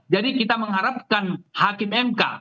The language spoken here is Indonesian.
jadi kita mengharapkan hakim mk